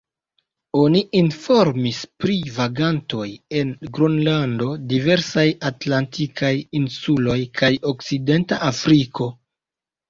Oni informis pri vagantoj en Gronlando, diversaj atlantikaj insuloj kaj Okcidenta Afriko.